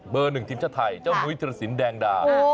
เบอร์๑ทีมช่าไทยนายนอุยเจาศินย์แดงด้า